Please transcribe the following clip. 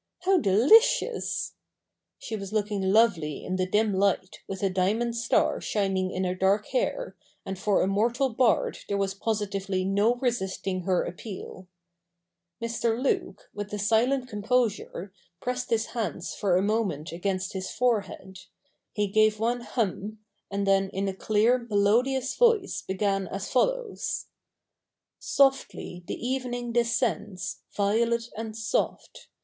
'How delicious !' She was looking lovely in the dim light, with a diamond star shining in her dark hair, and for a mortal bard there was positively no resisting her appeal. Mr. Luke, with a silent composure, pressed his hands for a moment against his forehead ; he gave one hem ; and then in a clear melodious voice began as follows :— D 2 52 THE NEW REPUBLIC . [bk. i ' Softly the evening descends, Violet and soft.